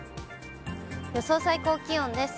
予想最高気温です。